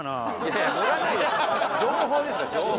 情報ですから情報。